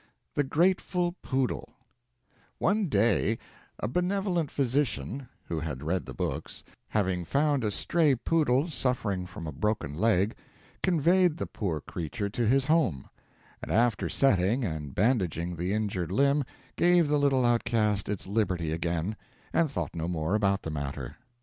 THE GRATEFUL POODLE One day a benevolent physician (who had read the books) having found a stray poodle suffering from a broken leg, conveyed the poor creature to his home, and after setting and bandaging the injured limb gave the little outcast its liberty again, and thought no more about the matter.